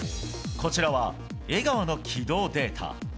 こちらは江川の軌道データ。